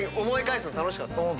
思い返すの楽しかった？